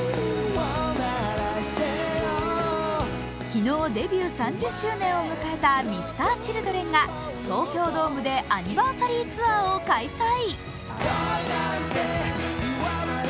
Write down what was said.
昨日、デビュー３０周年を迎えたＭｒ．Ｃｈｉｌｄｒｅｎが東京ドームでアニバーサリーツアーを開催。